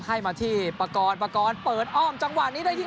ให้มาที่ปากรปากรเปิดอ้อมจังหวะนี้ได้ที่